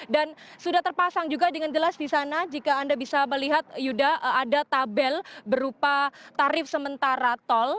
dan sudah terpasang juga dengan jelas di sana jika anda bisa melihat yuda ada tabel berupa tarif sementara tol